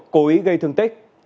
cố ý gây thương tích